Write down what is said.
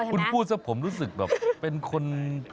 คุณพูดซะผมรู้สึกแบบเป็นคน